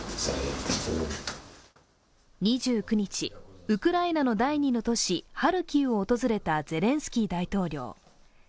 ２９日、ウクライナの第２の都市、ハルキウを訪れたゼレンスキー大統領。